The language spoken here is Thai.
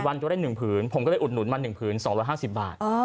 วันจะได้๑ผืนผมก็เลยอุดหนุนมา๑ผืน๒๕๐บาท